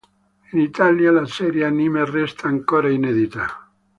In Italia la serie anime resta ancora inedita.